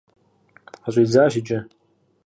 Къыщӏидзащ иджы!